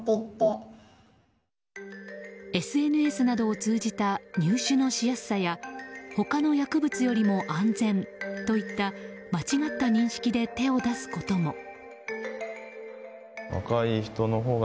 ＳＮＳなどを通じた入手のしやすさや他の薬物よりも安全といった間違った認識で手を出すことも。